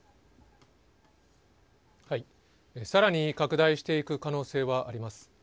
さらに拡大していく可能性はあります。